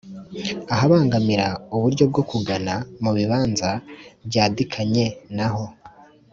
ahabangamira uburyo bwo kugana mubibanza byadikanyenaho